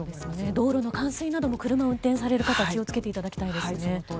道路の冠水なども車を運転される方は気を付けていただきたいですね。